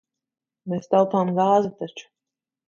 Mēs taupām gāzi taču.